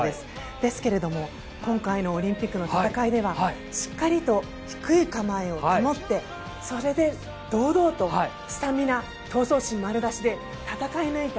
ですが今回のオリンピックの戦いでは、しっかりと低い構えをしてそれで堂々とスタミナ闘争心丸出しで戦い抜いた。